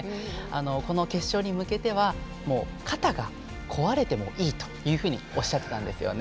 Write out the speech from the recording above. この決勝に向けては肩が壊れてもいいというふうにおっしゃってたんですよね。